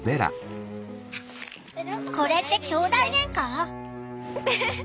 これってきょうだいゲンカ？